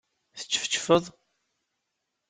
Teččefčfeḍ?